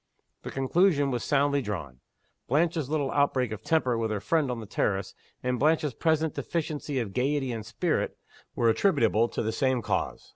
The conclusion was soundly drawn. Blanche's little outbreak of temper with her friend on the terrace, and Blanche's present deficiency of gayety and spirit, were attributable to the same cause.